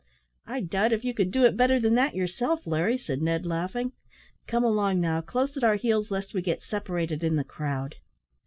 "I doubt if you could do it better than that yourself, Larry," said Ned, laughing. "Come along, now, close at our heels, lest we get separated in the crowd."